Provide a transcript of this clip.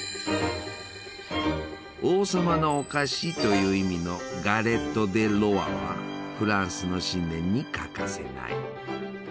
「王様のお菓子」という意味のガレット・デ・ロワはフランスの新年に欠かせない。